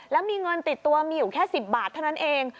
แล้วมีเงินติดตัวมีอยู่แค่๑๐บาทเท่านั้นเอง